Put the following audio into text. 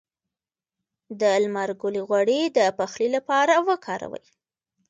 د لمر ګل غوړي د پخلي لپاره وکاروئ